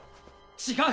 違う！